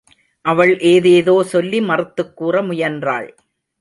அவள் ஏதேதோ சொல்லி மறுத்துக் கூற முயன்றாள்.